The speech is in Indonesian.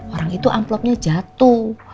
orang itu amplopnya jatuh